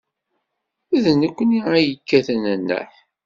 D nekkni ay yekkaten nneḥ.